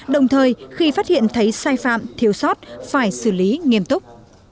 đồng thời khi phát hiện thấy sai phạm thiếu sót phải xử lý nghiêm túc